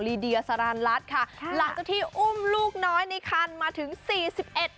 ลีเดียสารรัฐค่ะค่ะหลังจากที่อุ้มลูกน้อยในคันมาถึงสี่สิบเอ็ด